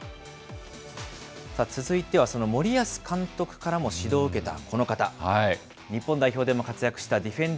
続いては、その森保監督からも指導を受けたこの方。